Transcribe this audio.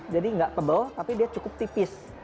jadi nggak tebal tapi dia cukup tipis